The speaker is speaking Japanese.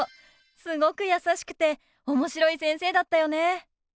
すごく優しくておもしろい先生だったよね。